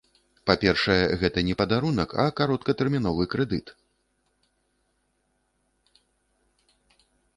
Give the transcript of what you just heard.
Па-першае, гэта не падарунак, а кароткатэрміновы крэдыт.